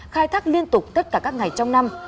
khai thác liên tục tất cả các ngày trong năm